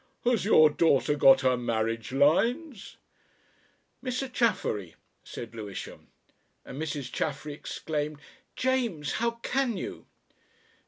Has your daughter got her marriage lines?" "Mr. Chaffery!" said Lewisham, and Mrs. Chaffery exclaimed, "James! How can you?"